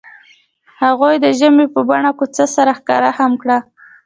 هغوی د ژمنې په بڼه کوڅه سره ښکاره هم کړه.